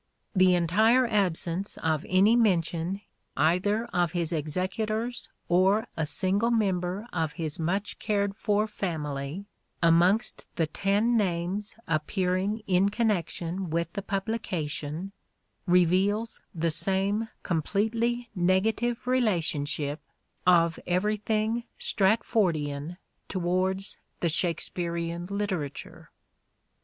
The entire absence of any mention either of his executors or a single member of his much cared for family amongst the ten names appearing in connection with the publication, reveals the same completely negative relationship of everything Stratfordian towards the Shakespearean literature.